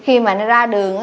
khi mà nó ra đường